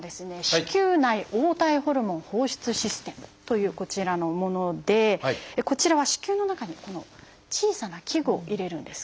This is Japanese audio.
「子宮内黄体ホルモン放出システム」というこちらのものでこちらは子宮の中にこの小さな器具を入れるんです。